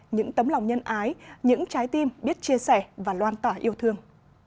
những tấm lòng nhân ái những trái tim biết chia sẻ và loan tỏa yêu thương